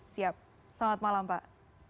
siap selamat malam pak